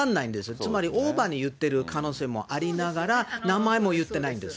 つまりオーバーに言ってる可能性もありながら、名前も言ってないんです。